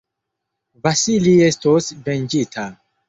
Vasili estos venĝita!